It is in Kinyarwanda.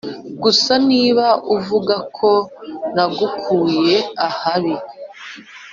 gusa niba uvugako nagukuye ahabi